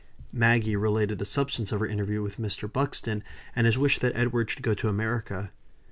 Maggie related the substance of her interview with Mr. Buxton, and his wish that Edward should go to America.